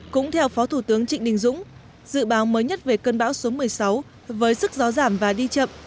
cũng theo phó thủ tướng trịnh đình dũng dự báo mới nhất về cơn bão số một mươi sáu với sức gió giảm và đi chậm